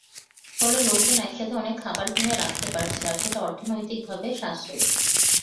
ফলে লোকজন একসাথে অনেক খাবার কিনে রাখতে পারছে, আর সেটা অর্থনৈতিকভাবে সাশ্রয়ী।